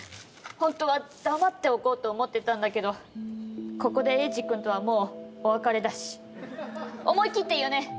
ホントは黙っておこうと思ってたんだけどここで英二君とはもうお別れだし思い切って言うね。